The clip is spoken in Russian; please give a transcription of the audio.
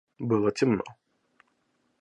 Было темно.